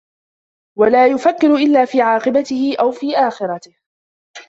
وَلَا يُفَكِّرُ إلَّا فِي عَاقِبَتِهِ أَوْ فِي آخِرَتِهِ